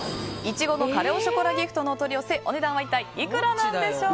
苺のカレ・オ・ショコラＧＩＦＴのお取り寄せお値段は一体いくらなんでしょう。